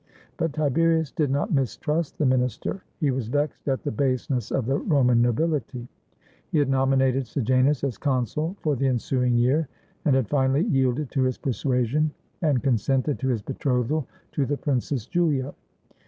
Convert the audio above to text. But Tiberius did not mistrust the minister, he was vexed at the baseness of the Roman nobility. He had nominated Sejanus as consul for the ensuing year, and had finally yielded to his persuasion, and consented to his betrothal to the princess Julia.